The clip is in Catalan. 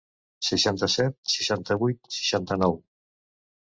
Seixanta-set, seixanta-vuit, seixanta-nou...